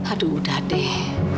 aduh udah deh